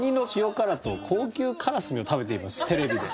テレビで。